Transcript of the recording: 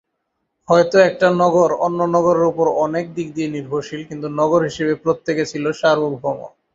হয়তো একটা নগর অন্য নগরের উপর অনেক দিক দিয়ে নির্ভরশীল কিন্তু নগর হিসেবে প্রত্যেকে ছিল সার্ভভৌম।